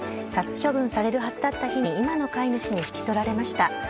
殺処分されるはずだった日に、今の飼い主に引き取られました。